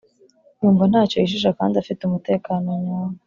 yumva ntacyo yishisha kandi afite umutekano nyawo